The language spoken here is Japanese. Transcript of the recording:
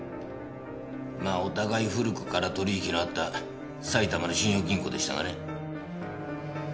まあお互い古くから取引のあった埼玉の信用金庫でしたがね。